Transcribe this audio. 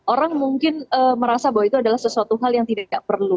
orang mungkin merasa bahwa itu adalah sesuatu hal yang tidak perlu